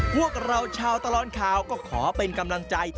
พวกเราชาวตลอดข่าวก็ขอเป็นกำลังใจ